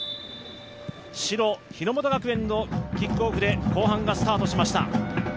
白・日ノ本学園のキックオフで後半がスタートしました。